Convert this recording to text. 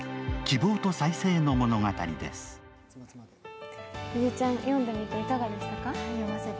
日比ちゃん、読んでみていかがでした？